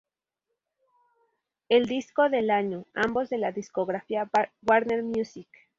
El disco del año", ambos de la discográfica Warner Music.